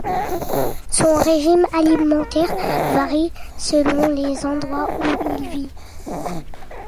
Son régime alimentaire varie selon les endroits où il vit.